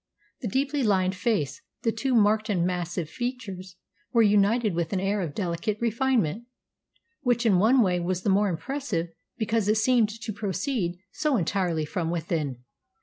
The deeply lined face, the too marked and massive features, were united with an air of delicate refinement, which in one way was the more impressive because it seemed to proceed so entirely from within.